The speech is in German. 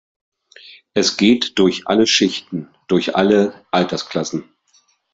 Es geht durch alle Schichten, durch alle Altersklassen“.